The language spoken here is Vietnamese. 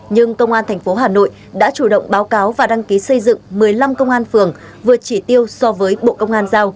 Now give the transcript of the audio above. nhưng công an tp hà nội đã chủ động báo cáo và đăng ký xây dựng một mươi năm công an phường vượt chỉ tiêu so với bộ công an giao